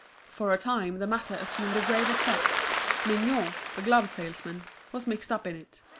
For a time the matter assumed a grave aspect, Mignot, the glove salesman, was mixed up in it.